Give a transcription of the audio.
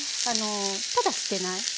ただ捨てない。